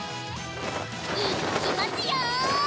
いっきますよ！